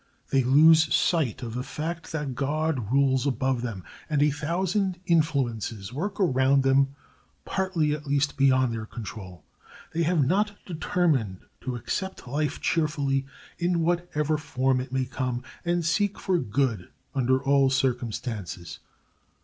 They lose sight of the fact that God rules above them, and a thousand influences work around them, partly, at least, beyond their control. They have not determined to accept life cheerfully in whatever form it may come, and seek for good under all circumstances.